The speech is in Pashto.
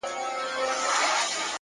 پرمختګ له ثابت حرکت رامنځته کېږي.!